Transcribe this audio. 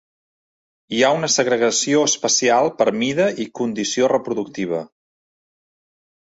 Hi ha una segregació espacial per mida i condició reproductiva.